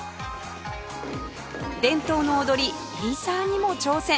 伝統の踊りエイサーにも挑戦